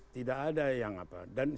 tidak ada yang apa